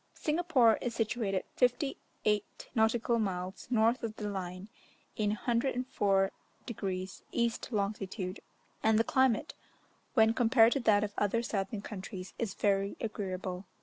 Singapore is situated 58' (nautical miles) north of the line, in 104 degrees East longitude, and the climate, when compared to that of other southern countries, is very agreeable.